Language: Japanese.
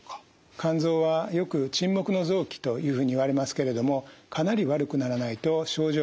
肝臓はよく「沈黙の臓器」というふうにいわれますけれどもかなり悪くならないと症状が出てこないんです。